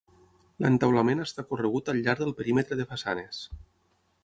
L'entaulament està corregut al llarg del perímetre de façanes.